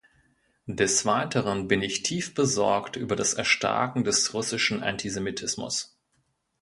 Des Weiteren bin ich tief besorgt über das Erstarken des russischen Antisemitismus.